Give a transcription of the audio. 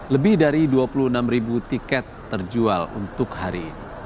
lebih dari dua puluh enam ribu tiket terjual untuk hari ini